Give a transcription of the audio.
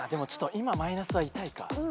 今マイナス痛い。